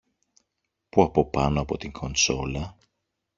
που από πάνω από την κονσόλα